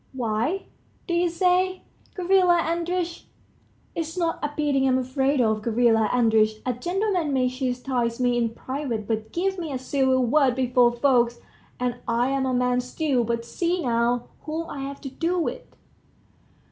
"Why, do you say, Gavrila Andreitch? It's not a beating I'm afraid of, Gavrila Andreitch. A gentleman may chastise me in private, but give me a civil word before folks, and I'm a man still; but see now, whom I've to do with